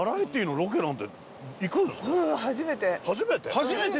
初めて？